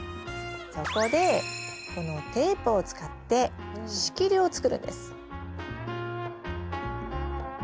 そこでこのテープを使って仕切りを作るんです。